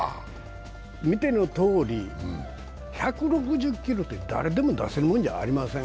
見てのとおり、１６０キロって誰でも出せるもんじゃありません。